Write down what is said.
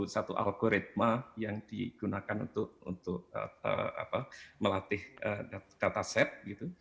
satu algoritma yang digunakan untuk melatih data set gitu